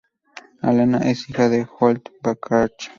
Alana es hija de Holt Blanchard.